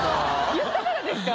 言ったからですか？